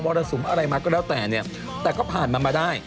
รสุมอะไรมาก็แล้วแต่เนี่ยแต่ก็ผ่านมันมาได้